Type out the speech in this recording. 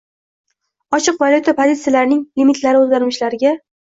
Ochiq valyuta pozitsiyalarining limitlari o'zgarmishlarga